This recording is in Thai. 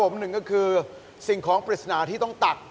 ผมหนึ่งก็คือสิ่งของปริศนาที่ต้องตัก